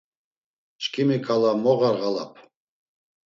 Çkimi ǩala mo ğarğalap.